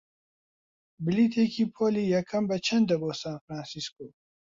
بلیتێکی پۆلی یەکەم بەچەندە بۆ سان فرانسیسکۆ؟